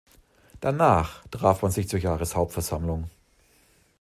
Danach traf man sich zur Jahreshauptversammlung.